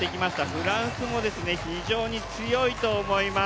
フランスも非常に強いと思います。